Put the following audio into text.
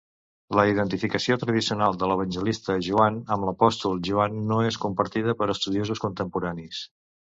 La identificació tradicional de l'evangelista Joan amb l'apòstol Joan no és compartida pels estudiosos contemporanis.